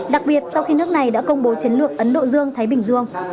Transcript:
đặc biệt sau khi nước này đã công bố chiến lược ấn độ dương thái bình dương